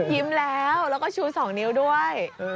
ยิ้มแล้วแล้วก็ชู๒นิ้วด้วย